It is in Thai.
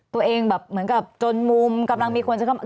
ตัวเองแบบเหมือนกับจนมุมกำลังมีคนใช้คำว่า